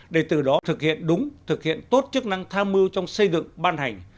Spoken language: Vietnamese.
để từ đó thực hiện đúng thực hiện tốt chức năng tham mưu trong xây dựng ban hành